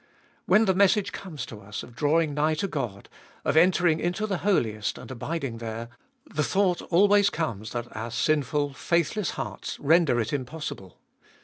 When the message comes to us of drawing nigh to God, of entering into the Holiest and abiding there, the thought always comes that our sinful, faithless hearts render it impossible.